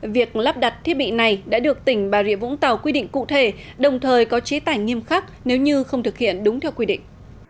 việc lắp đặt thiết bị này đã được tỉnh bà rịa vũng tàu quy định cụ thể đồng thời có chế tải nghiêm khắc nếu như không thực hiện đúng theo quy định